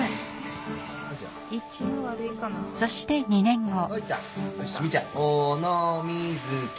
そして２年後。